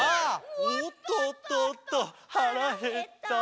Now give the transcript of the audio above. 「おっとっとっとはらへった」